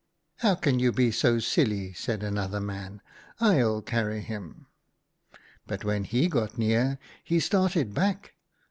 "' How can you be so silly ?' said another man. ' /'ll carry him.' " But when he got near, he started back.